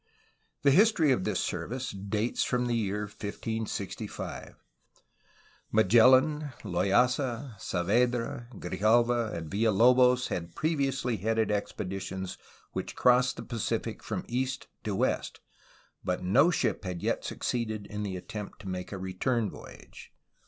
The history of this service dates from the year 1565. Ma gellan, Loaysa, Saavedra, Grijalva, and Villalobos had pre viously headed expeditions which crossed the Pacific from east to west, but no ship had yet succeeded in the attempt to make a return voyage.